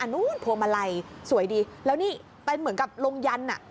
นู้นพวงมาลัยสวยดีแล้วนี่เป็นเหมือนกับลงยัน